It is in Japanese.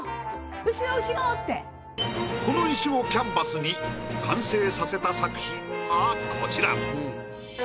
この石をキャンバスに完成させた作品がこちら。